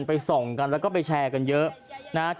ไปส่องกันแล้วก็ไปแชร์กันเยอะ